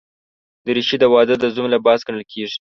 دریشي د واده د زوم لباس ګڼل کېږي.